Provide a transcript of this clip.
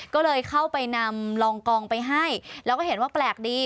ก็เลยเข้าไปนำรองกองไปให้แล้วก็เห็นว่าแปลกดี